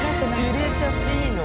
揺れちゃっていいの？